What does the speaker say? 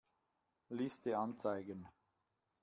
Liste anzeigen.